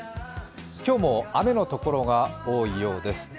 今日も雨の所が多いようです。